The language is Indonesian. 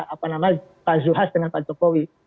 apa nama pak zulhas dengan pak jokowi